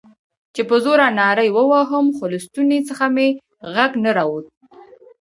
چې په زوره نارې ووهم، خو له ستوني څخه مې غږ نه راووت.